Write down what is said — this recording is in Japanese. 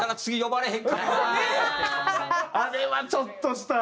あれはちょっとした。